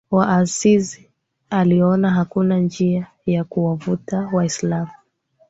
wa Asizi aliona hakuna njia ya kuwavuta Waislamu